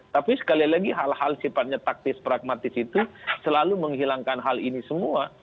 tapi sekali lagi hal hal sifatnya taktis pragmatis itu selalu menghilangkan hal ini semua